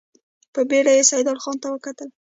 په بېړه يې سيدال خان ته وکتل.